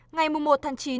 ngày một tháng chín